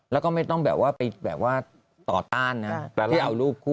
แล้วก็ไม่ต้องแบบว่าไปแบบว่าต่อต้านนะที่เอารูปคู่